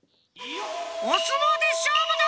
おすもうでしょうぶだ！